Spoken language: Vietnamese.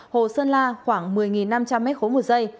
hồ sơn la ở cao trình một trăm linh năm chín mươi một m một s